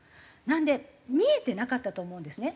なので見えてなかったと思うんですね。